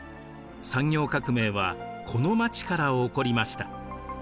産業革命はこの町から起こりました。